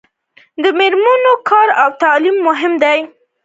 د میرمنو کار او تعلیم مهم دی ځکه چې ودونو ځنډ لامل دی.